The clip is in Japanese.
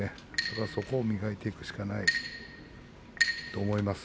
そこを磨いていくしかないと思います。